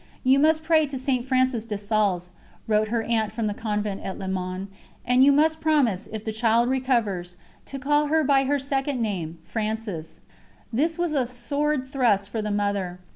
"You must pray to St. Francis de Sales," wrote her aunt from the convent at Le Mans, "and you must promise, if the child recovers, to call her by her second name, Frances." This was a sword thrust for the Mother.